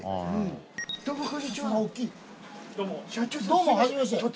どうもはじめまして。